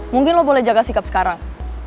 mungkin lo boleh jaga sikap sekarang